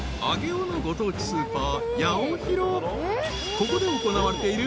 ［ここで行われている］